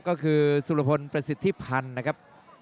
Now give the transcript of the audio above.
ก็คือสุรพลประสิทธิพันธ์นะครับ